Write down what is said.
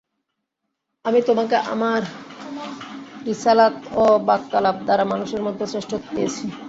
আমি তোমাকে আমার রিসালাত ও বাক্যালাপ দ্বারা মানুষের মধ্যে শ্রেষ্ঠত্ব দিয়েছি।